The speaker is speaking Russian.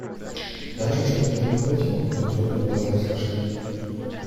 Даша что-то ему ответила, но трудно было расслышать.